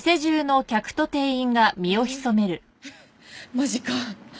マジか。